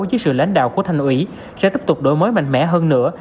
với sự lãnh đạo của thành ủy sẽ tiếp tục đổi mới mạnh mẽ hơn nữa